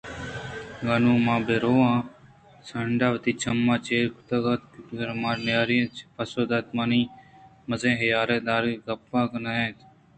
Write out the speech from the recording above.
اگاں نوں من بُہ رَوَاں؟ سانڈ ءَ وتی چم چپّی کُت اَنت ءُ کُتّ ءَ را مان نیاران ءَ پسّہ دات پہ من اے مزنین ءُ حیال دارگی گپّ ئے نہ اِنت